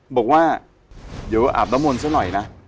บอกว่าเดี๋ยวอาบน้ำมนต์ซะหน่อยนะ